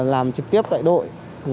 làm trực tiếp tại đội